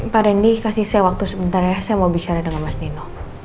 pak randy kasih saya waktu sebentar ya saya mau bicara dengan mas dino